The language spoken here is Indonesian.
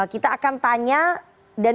kita akan tanya dan